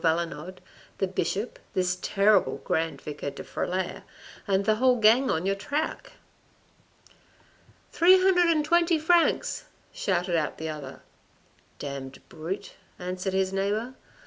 Valenod, the Bishop, this terrible Grand Vicar de Frilair and the whole gang on your track." " Three hundred and twenty francs," shouted out the other. " Damned brute," answered his neighbour.